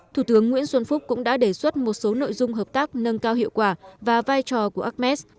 thủ tướng nguyễn xuân phúc cũng đã đề xuất một số nội dung hợp tác nâng cao hiệu quả và vai trò của ames